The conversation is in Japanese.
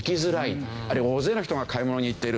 あるいは大勢の人が買い物に行っている。